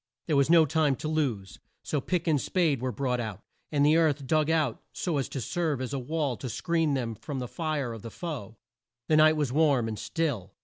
There was no time to lose. So pick and spade were brought out, and the earth dug out so as to serve as a wall to screen them from the fire of the foe. The night was warm and still.